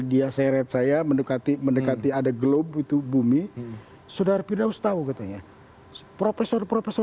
dia seret saya mendekati mendekati ada globe itu bumi saudara firdaus tahu katanya profesor profesor